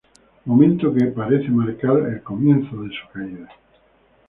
Momento que parece marcar el comienzo de su caída.